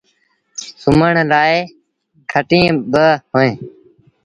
سُومڻ لآ کٽيٚن با اوهيݩ۔